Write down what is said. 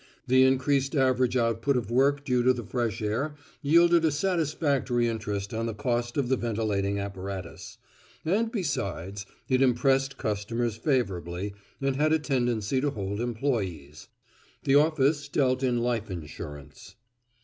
The increased average output of work due to the fresh air yielded a satisfactory interest on the cost of the ventilating apparatus; and, besides, it impressed customers favorably and had a tendency to hold employes. The office dealt in life insurance.